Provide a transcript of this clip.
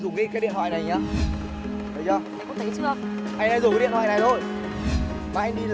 đi nghe lời mẹ